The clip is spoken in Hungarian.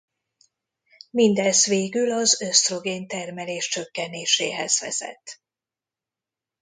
Mindez végül az ösztrogén termelés csökkenéséhez vezet.